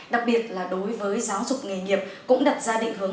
đặc biệt là đối với giáo dục nghề nghiệp cũng đặt ra định hướng